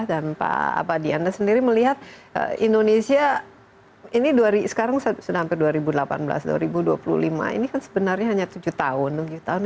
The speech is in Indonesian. dan pak diana sendiri melihat indonesia ini sekarang sudah hampir dua ribu delapan belas dua ribu dua puluh lima ini kan sebenarnya hanya tujuh tahun